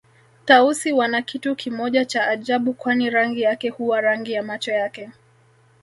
Tausi wana kitu kimoja cha ajabu kwani rangi yake huwa rangi ya macho yake